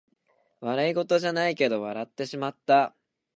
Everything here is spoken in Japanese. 笑いごとじゃないけど笑ってしまった